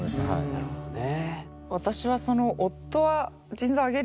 なるほどね。